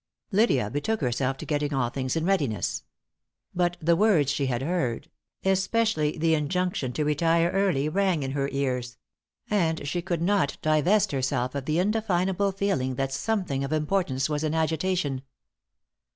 Lydia betook herself to getting all things in readiness. But the words she had heard, especially the injunction to retire early, rang in her ears; and she could not divest herself of the indefinable feeling that something of importance was in agitation.